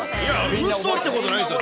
うそってことないですよ。